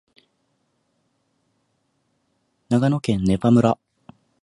長野県根羽村